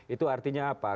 itu artinya apa